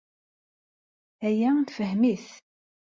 Aya nefhem-it.